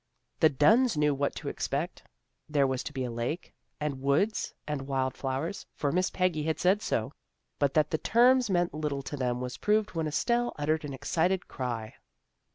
The Dunns knew what to expect. There AN EVENTFUL PICNIC 319 was to be a lake, and woods, and wild flowers, for Miss Peggy had said so, but that the terms meant little to them was proved when Estelle uttered an excited cry.